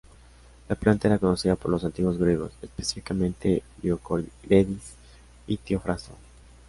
La planta era conocida por los antiguos griegos, específicamente Dioscórides y Teofrasto.